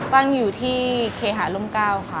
ตั้งอยู่ที่เคหาร่ม๙ค่ะ